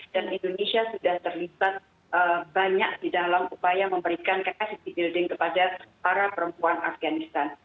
dan indonesia sudah terlibat banyak di dalam upaya memberikan capacity building kepada para perempuan afganistan